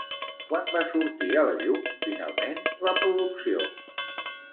Quan va sortir a la llum, finalment, la producció?